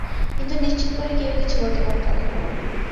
কিন্তু নিশ্চিত করে কেউই কিছু বলতে পারত না।